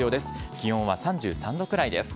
気温は３３度くらいです。